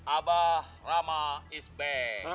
abah rama is back